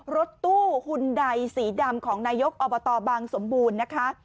รถตู้หุ่นใดสีดำของนายกอบตบางสมบูรณ์นะคะ